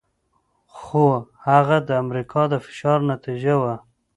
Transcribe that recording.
خو هغه د امریکا د فشار نتیجه وه.